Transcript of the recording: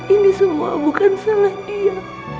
ini semua bukan salah dia